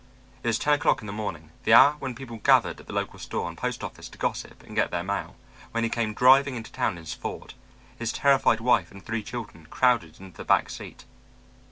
It was ten o'clock in the morning, the hour when people gathered at the local store and post office to gossip and get their mail, when he came driving into town in his Ford, his terrified wife and three children crowded into the back seat.